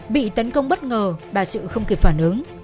bị tấn công bất ngờ bà sự không kịp phản ứng